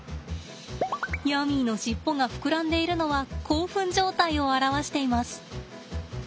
ヤミーの尻尾が膨らんでいるのは興奮状態を表しています。